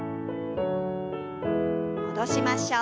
戻しましょう。